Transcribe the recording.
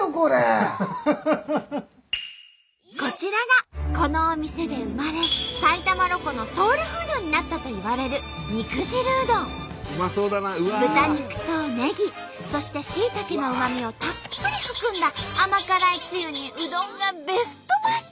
こちらがこのお店で生まれ埼玉ロコのソウルフードになったといわれる豚肉とネギそしてしいたけのうまみをたっぷり含んだ甘辛いつゆにうどんがベストマッチ！